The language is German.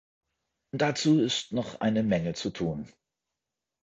Dazu ist noch eine Menge zu tun.